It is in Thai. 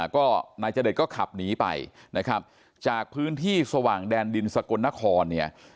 ก็นายเจดก็ขับหนีไปนะครับจากพื้นที่สว่างแดนดินสกลนครเนี่ย